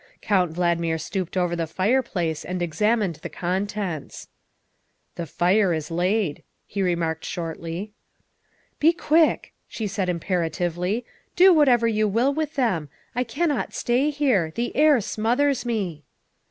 Count Valdmir stooped over the fireplace and exam ined the contents. " The fire is laid," he remarked shortly. " Be quick," she said imperatively, " do whatever you will with them. I cannot stay here. The air smothers me."